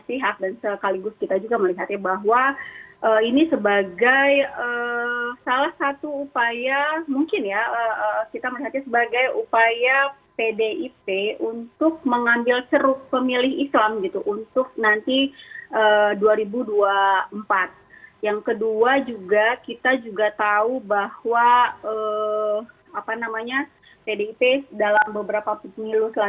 saya pikir batalnya indonesia menjadi tuan rumah piala